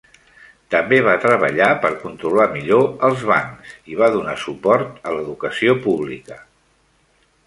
També va treballar per controlar millor els bancs i va donar suport a l'educació pública.